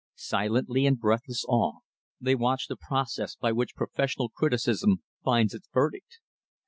Silently, in breathless awe, they watched the process by which professional criticism finds its verdict.